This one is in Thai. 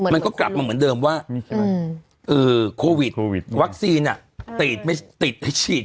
มันก็กลับมาเหมือนเดิมว่าโควิดวัคซีนติดไม่ติดไม่ฉีด